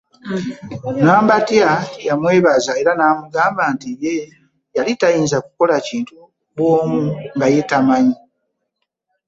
Nambatya yamwebaza era n'amugamba nti ye yali tayinza kukola kintu bw'omu nga ye tamanyi